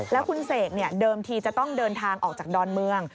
แล้วคุณเสกเดิมทีจะต้องเดินทางออกจากดอนเมือง